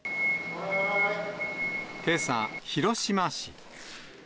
けさ、広島市。